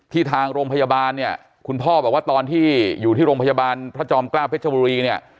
ทางโรงพยาบาลเนี่ยคุณพ่อบอกว่าตอนที่อยู่ที่โรงพยาบาลพระจอมเกล้าเพชรบุรีเนี่ย